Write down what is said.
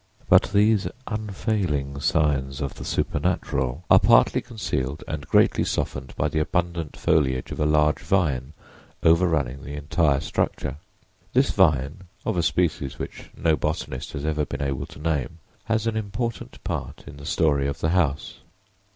But these unfailing signs of the supernatural are partly concealed and greatly softened by the abundant foliage of a large vine overrunning the entire structure. This vine—of a species which no botanist has ever been able to name—has an important part in the story of the house.